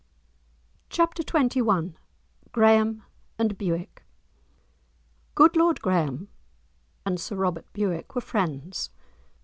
*Chapter XXI* *Graeme and Bewick* Good Lord Graeme and Sir Robert Bewick were friends.